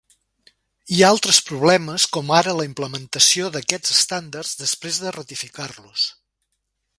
Hi ha altres problemes com ara la implementació d'aquests estàndards després de ratificar-los.